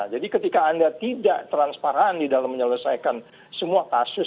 jadi ketika anda tidak transparan di dalam menyelesaikan semua kasus